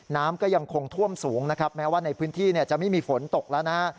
น้ำก็ยังคงท่วมสูงนะครับแม้ว่าในพื้นที่จะไม่มีฝนตกแล้วนะฮะ